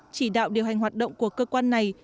chỉ đạo điều hành hoạt động của cơ quan này